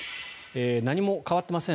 何も変わっていません。